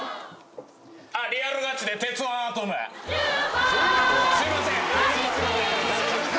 リアルガチで『鉄腕アトム』すいません。